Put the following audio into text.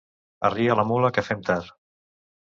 Arria la mula, que fem tard!